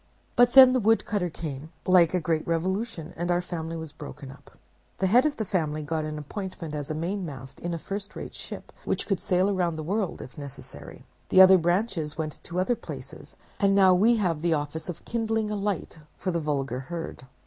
But then the woodcutter came, like a great revolution, and our family was broken up. The head of the family got an appointment as mainmast in a first rate ship, which could sail round the world if necessary; the other branches went to other places, and now we have the office of kindling a light for the vulgar herd.